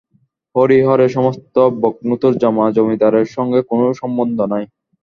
হরিহরের সমস্ত ব্রহ্মোত্তর জমা, জমিদারের সঙ্গে কোনো সম্বন্ধ নাই।